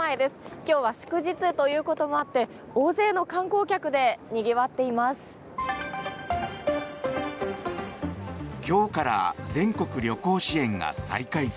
今日は祝日ということもあって大勢の観光客でにぎわっています。